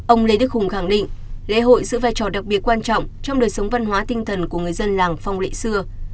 ông lê đức hùng khẳng định lễ hội giữ vai trò đặc biệt quan trọng trong đời sống văn hóa tinh thần của người dân làng phong lệ xưa